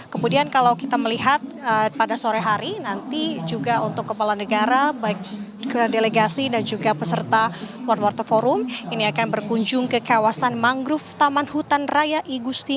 kemudian kalau kita melihat pada sore hari nanti juga untuk kepala negara baik ke delegasi dan juga peserta one warte forum ini akan berkunjung ke kawasan mangrove taman hutan raya igusti